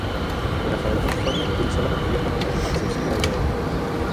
El alfabeto uniforme utilizó las grafías latinas, a excepción de la "w".